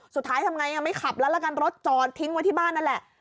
ทำไงไม่ขับแล้วละกันรถจอดทิ้งไว้ที่บ้านนั่นแหละ